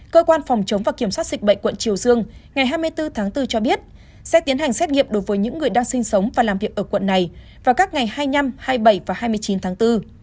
cơ quan phòng chống và kiểm soát dịch bệnh quận triều dương ngày hai mươi bốn tháng bốn cho biết sẽ tiến hành xét nghiệm đối với những người đang sinh sống và làm việc ở quận này vào các ngày hai mươi năm hai mươi bảy và hai mươi chín tháng bốn